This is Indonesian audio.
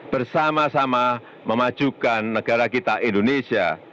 bersama sama memajukan negara kita indonesia